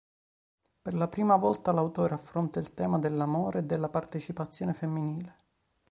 Per la prima volta l'autore affronta il tema dell'amore e della partecipazione femminile.